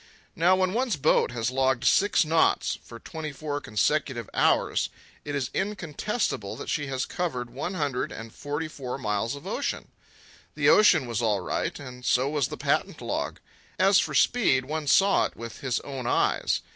Now when one's boat has logged six knots for twenty four consecutive hours, it is incontestable that she has covered one hundred and forty four miles of ocean. The ocean was all right, and so was the patent log; as for speed, one saw it with his own eyes.